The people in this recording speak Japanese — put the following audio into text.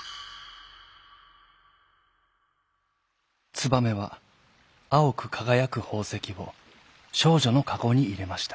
ツバメはあおくかがやくほうせきをしょうじょのかごにいれました。